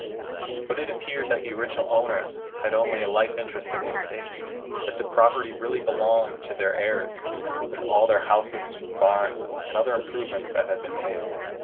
But it appeared that the original owners had only a life interest in the estate; that the property really be longed to their heirs, with all the houses, barns, and other improvements that had been made.